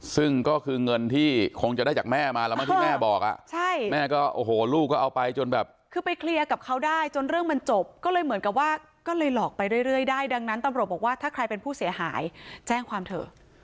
ซึ่งก็คือเงินที่คงจะได้จากแม่มาแล้วมั้งที่แม่บอกอ่ะใช่แม่ก็โอ้โหลูกก็เอาไปจนแบบคือไปเคลียร์กับเขาได้จนเรื่องมันจบก็เลยเหมือนกับว่าก็เลยหลอกไปเรื่อยได้ดังนั้นตำรวจบอกว่าถ้าใครเป็นผู้เสียหายแจ้งความเถอะ